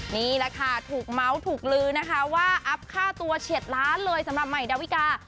นี่แหละค่ะถูกเมาส์ถูกลือนะคะว่าอัพค่าตัวเฉียดล้านเลยสำหรับใหม่ดาวิกา